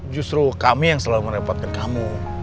justru kami yang selalu merepotkan kamu